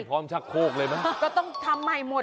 ก็ต้องทำใหม่หมด